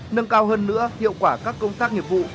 nâng cao hơn nữa hiệu quả các công tác nghiệp vụ